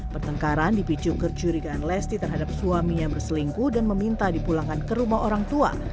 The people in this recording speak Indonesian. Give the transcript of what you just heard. pertengkaran dipicu kecurigaan lesti terhadap suaminya berselingkuh dan meminta dipulangkan ke rumah orang tua